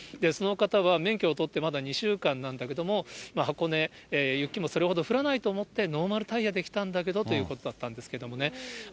その方は免許を取ってまだ２週間なんだけども、箱根、雪もそれほど降らないと思ってノーマルタイヤで来たんだけどということだったんですけどね。